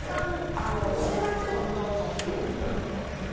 寒暖差疲労みたいなものもあるみたいで。